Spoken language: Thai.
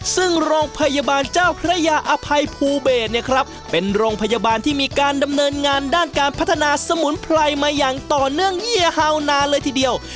ซึ่งโรงพยาบาลเจ้าพระยาอภัยภูเบศเนี่ยครับเป็นโรงพยาบาลที่มีการดำเนินงานด้านการพัฒนาสมุนไพรมาอย่างต่อเนื่องเยียฮาวนานเลยทีเดียว